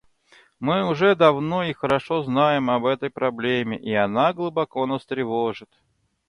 Мы уже давно и хорошо знаем об этой проблеме, и она глубоко нас тревожит.